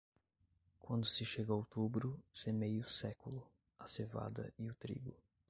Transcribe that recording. Quando se chega a outubro, semeie o século, a cevada e o trigo.